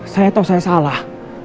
saya tau saya salah